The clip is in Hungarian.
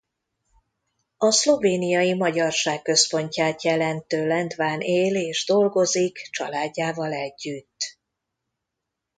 A szlovéniai magyarság központját jelentő Lendván él és dolgozik családjával együtt.